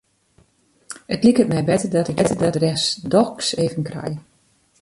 It liket my better dat ik jo adres dochs even krij.